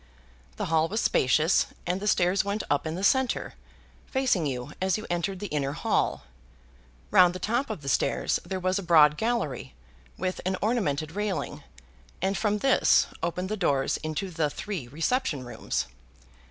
The hall was spacious, and the stairs went up in the centre, facing you as you entered the inner hall. Round the top of the stairs there was a broad gallery, with an ornamented railing, and from this opened the doors into the three reception rooms.